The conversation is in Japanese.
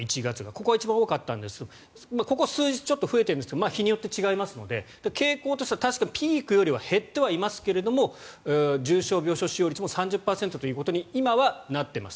ここが一番多かったんですがここ数日ちょっと増えていますが日によって違いますので傾向としては確かにピークよりは減ってはいますが重症病床使用率も３０％ほどということで今はなっています。